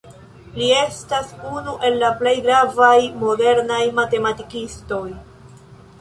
Li estas unu el la plej gravaj modernaj matematikistoj.